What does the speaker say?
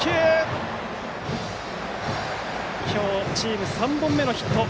今日チーム３本目のヒット。